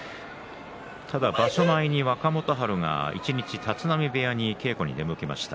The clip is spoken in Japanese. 場所前に若元春が一日立浪部屋に稽古に出向きました。